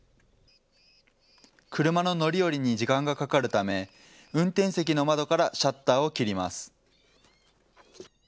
車の乗り降りに時間がかかるため、運転席の窓からシャッターを切ります。